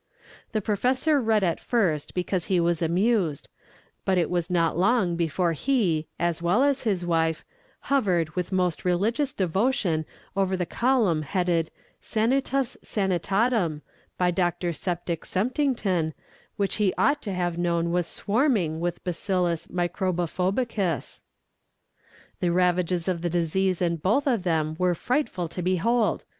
The professor read at first because he was amused, but it was not long before he, as well as his wife, hovered with almost religious devotion over the column headed Sanitas Sanitatum, by Doctor Septic Septington, which he ought to have known was swarming with bacillus microbophobicus. The ravages of the disease in both of them were frightful to behold.